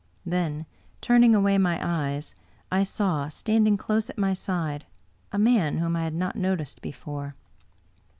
Then turning away my eyes, I saw, standing close at my side, a man whom I had not noticed before.